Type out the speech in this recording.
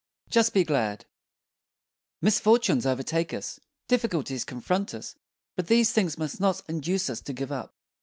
JUST BE GLAD Misfortunes overtake us, difficulties confront us; but these things must not induce us to give up.